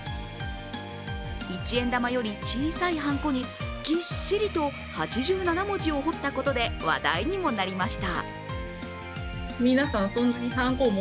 一円玉より小さいはんこにぎっしりと８７文字を彫ったことで話題にもなりました。